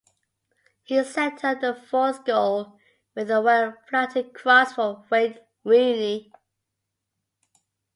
He set up the fourth goal with a well flighted cross for Wayne Rooney.